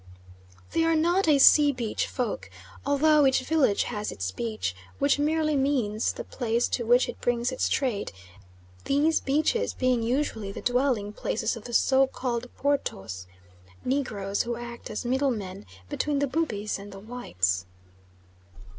They are not a sea beach folk, although each village has its beach, which merely means the place to which it brings its trade, these beaches being usually the dwelling places of the so called Portos, negroes, who act as middle men between the Bubis and the whites.